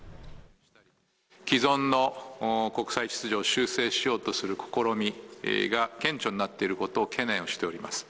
既存の国際秩序を修正しようとする試みが顕著になっていることを懸念しております。